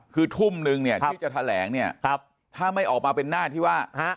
คือทุ่มนึงเนี่ยที่จะแถลงเนี่ยถ้าไม่ออกมาเป็นหน้าที่ว่า